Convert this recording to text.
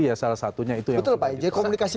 ya salah satunya itu ya betul pak jadi komunikasi